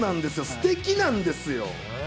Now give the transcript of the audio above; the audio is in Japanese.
すてきなんですよ。